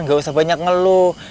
gak usah banyak ngeluh